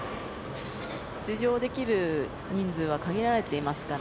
出場できる人数は限られていますから。